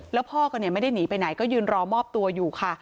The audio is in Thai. แล้วพ่อก็ไม่ได้หนีไปไหนก็ยืนรอมอบตัวอยู่ค่ะ